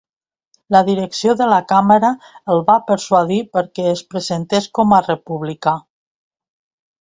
La direcció de la Càmera el va persuadir perquè es presentés com a republicà.